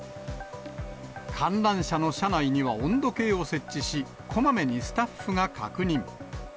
観覧車の車内には温度計を設置し、こまめにスタッフが確認。